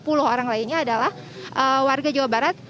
yang terpapar varian omikron ini adalah warga jawa barat